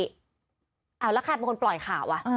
อาวาทมันเป็นคนปล่อยข่าว